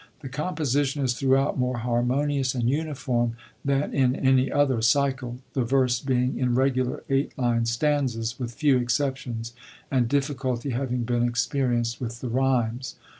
The composition is throughout more harmonious and uniform than in any other cycle, the verse being in regular eight line stanzas, with few exceptions, and difficulty having been experi enced with the rymes.